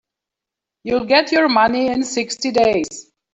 You'll get your money in sixty days.